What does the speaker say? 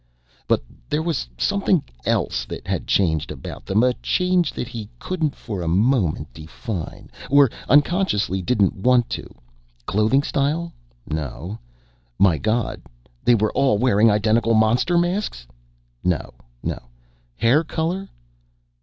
But there was something else that had changed about them a change that he couldn't for a moment define, or unconsciously didn't want to. Clothing style? No ... My God, they weren't all wearing identical monster masks? No ... Hair color?...